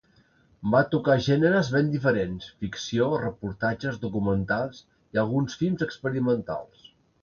Va tocar gèneres ben diferents: ficció, reportatges, documentals i alguns films experimentals.